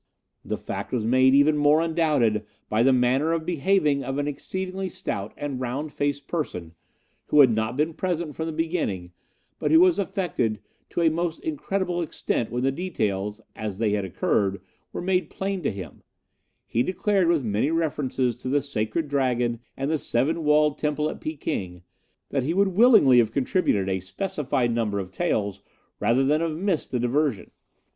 The fact was made even more undoubted by the manner of behaving of an exceedingly stout and round faced person, who had not been present from the beginning, but who was affected to a most incredible extent when the details, as they had occurred, were made plain to him, he declaring, with many references to the Sacred Dragon and the Seven Walled Temple at Peking, that he would willingly have contributed a specified number of taels rather than have missed the diversion.